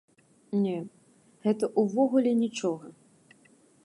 Не, гэта ўвогуле нічога.